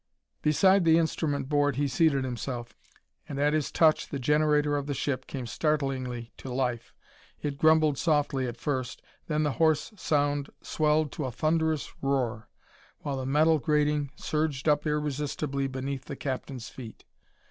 Beside the instrument board he seated himself, and at his touch the generator of the ship came startlingly to life. It grumbled softly at first, then the hoarse sound swelled to a thunderous roar, while the metal grating surged up irresistibly beneath the captain's feet.